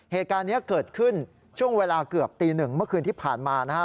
เหตุการณ์นี้เกิดขึ้นช่วงเวลาเกือบตีหนึ่งเมื่อคืนที่ผ่านมานะครับ